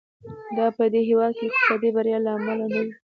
دا په دې هېواد کې د اقتصادي بریا له امله نه و.